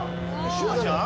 シュワちゃん？